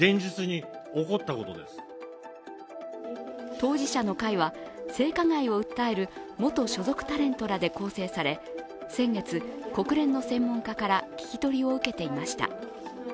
当事者の会は性加害を訴える元所属タレントらで構成され、先月、国連の専門家から聞き取りを受けていました。